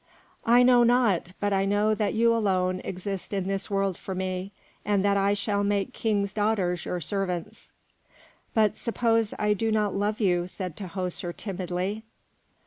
"I know not, but I know that you alone exist in this world for me, and that I shall make kings' daughters your servants." "But suppose I do not love you?" said Tahoser, timidly.